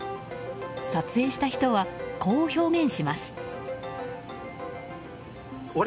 撮影した人は、こう表現します。